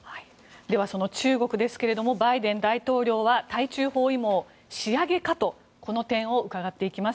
では、その中国ですがバイデン大統領は対中包囲網、仕上げかとこの点を伺っていきます。